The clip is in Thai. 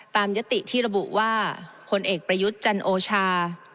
ยติที่ระบุว่าผลเอกประยุทธ์จันโอชา